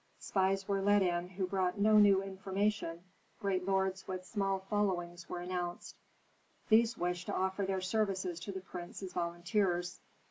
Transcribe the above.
Spies were led in who brought no new information; great lords with small followings were announced; these wished to offer their services to the prince as volunteers.